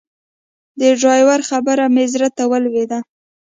د ډرایور خبره مې زړه ته ولوېده.